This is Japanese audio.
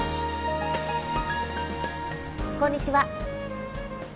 こんにちは。